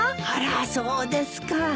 あらそうですか。